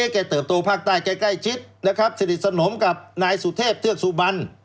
แกเติบโตภาคใต้แกใกล้ชิดนะครับสนิทสนมกับนายสุเทพเทือกสุบัน